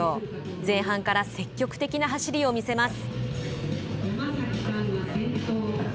前半から積極的な走りを見せます。